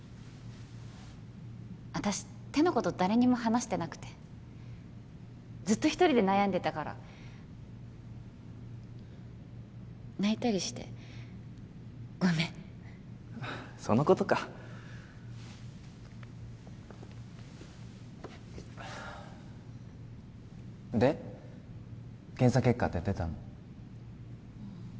私手のこと誰にも話してなくてずっと一人で悩んでたから泣いたりしてごめんそのことかで検査結果って出たの？